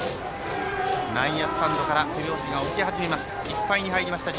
内野スタンドから手拍子が起こりました。